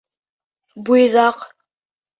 Буйҙаҡ.